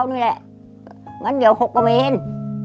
นี่แหละอย่างนั้นเดี๋ยว๖เมตร